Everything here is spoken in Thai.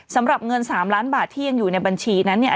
สำหรับเงิน๓ล้านบาทที่ยังอยู่ในบัญชีนั้นเนี่ย